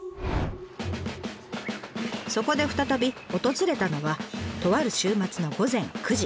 そこで再び訪れたのはとある週末の午前９時。